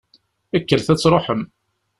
Kkret ad truḥem!